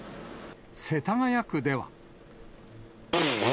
世田谷区では。